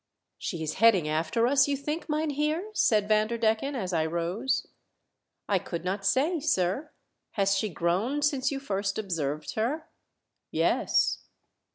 " She is heading after us, you think, myn heer?" said Vanderdecken as I rose. " I could not say, sir. Has she grown since you first observed her ? "Yes."